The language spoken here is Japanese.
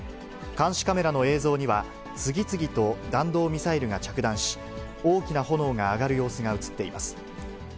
監視カメラの映像には、次々と弾道ミサイルが着弾し、大きな炎が上がる様子が写っています。